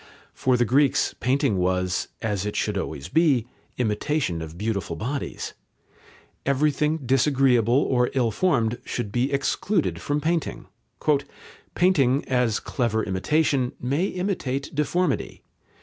For the Greeks painting was, as it should always be, "imitation of beautiful bodies." Everything disagreeable or ill formed should be excluded from painting. "Painting, as clever imitation, may imitate deformity.